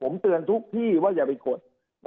ผมเตือนทุกที่ว่าอย่าไปกด